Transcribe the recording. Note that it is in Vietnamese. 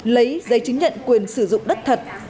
lấy giấy chứng nhận quyền sử dụng đất thật